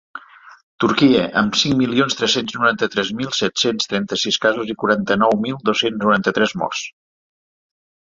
Turquia, amb cinc milions tres-cents noranta-tres mil set-cents trenta-sis casos i quaranta-nou mil dos-cents noranta-tres morts.